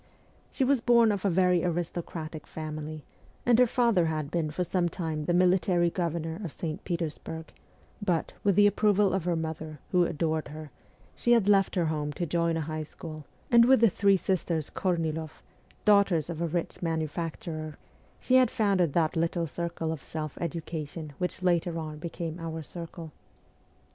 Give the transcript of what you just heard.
She was born of a very aristocratic family, and her father had been for some time the military governor of St. Petersburg ; but, with the ap proval of her mother, who adored her, she had left her home to join a high school, and with the three sisters Korniloff daughters of a rich manufacturer she had founded that little circle of self education which later on became our circle.